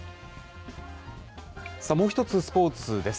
もう１つスポーツです。